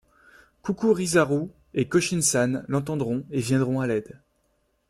Kukurizaru et Kōshin-san l'entendront et viendront à l'aide.